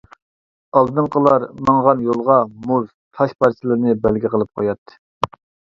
ئالدىنقىلار ماڭغان يولىغا مۇز، تاش پارچىلىرىنى بەلگە قىلىپ قوياتتى.